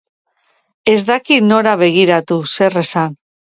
Ez daki nora begiratu, zer esan.